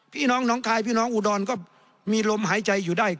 พี่น้องน้องคายพี่น้องอุดรก็มีลมหายใจอยู่ได้